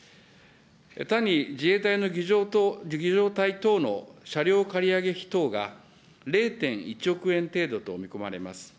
他に自衛隊の儀じょう隊等の車両借り上げ費等が０．１億円程度と見込まれます。